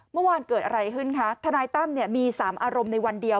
เมื่อวานเกิดอะไรขึ้นคะทนายตั้มเนี่ยมี๓อารมณ์ในวันเดียว